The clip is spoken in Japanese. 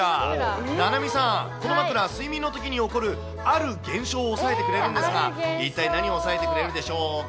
菜波さん、この枕、睡眠のときに起こるある現象を抑えてくれるんですが、一体何を抑えてくれるでしょうか。